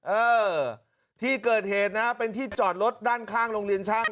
เออที่เกิดเหตุนะเป็นที่จอดรถด้านข้างโรงเรียนช่าง